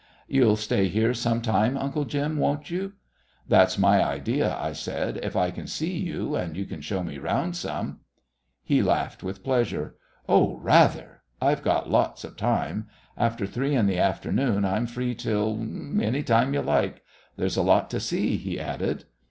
"You'll stay here some time, Uncle Jim, won't you?" "That's my idea," I said, "if I can see you, and you can show me round some." He laughed with pleasure. "Oh, rather. I've got lots of time. After three in the afternoon I'm free till any time you like. There's a lot to see," he added.